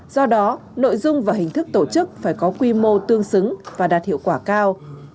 do đó nội dung và hình thức tổ chức phải có quy mô tương xứng và đạt hiệu quả cao